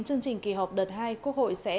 chương trình kỳ họp đợt hai quốc hội sẽ